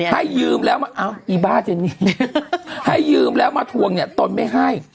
ให้ยืมแล้วมาเอาอีบ้าเจนี่ให้ยืมแล้วมาทวงเนี่ยตนไม่ให้